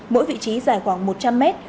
mỗi vị trí dài khoảng một trăm linh mét